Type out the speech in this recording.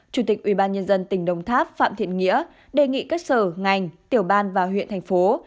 chủ tịch ubnd tỉnh đồng tháp phạm thiện nghĩa đề nghị các sở ngành tiểu ban và huyện thành phố